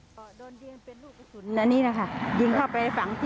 ไปให้ผู้ช่วยแจ้งความ